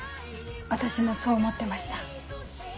私もそう思ってました。